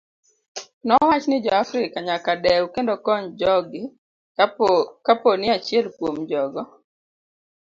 Nowach ni jo africa nyaka dew kendo kony jogi kaponi achiel kuom jogo.